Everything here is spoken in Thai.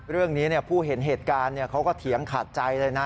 ผู้เห็นเหตุการณ์เขาก็เถียงขาดใจเลยนะ